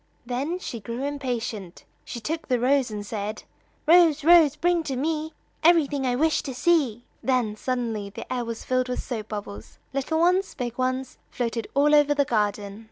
Then she grew impatient; she took the rose, and said: "Rose, Rose, bring to me Everything I wish to see." Then suddenly the air was filled with soap bubbles; little ones, big ones, floated all over the garden.